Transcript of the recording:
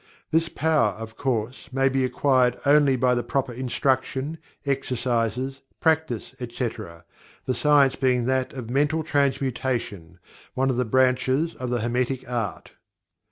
This power of course may be acquired only by the proper instruction, exercises, practice, etc., the science being that of Mental Transmutation, one of the branches of the Hermetic Art.